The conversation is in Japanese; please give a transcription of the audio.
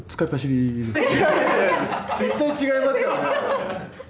いやいやいや絶対違いますよね